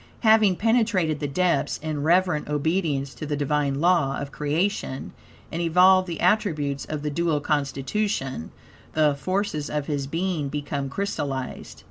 Having penetrated the depths in reverent obedience to the Divine law of creation, and evolved the attributes of the dual constitution, the forces of his being become crystallized.